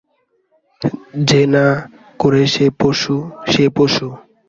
যে না করে সে পশু, সে পশু!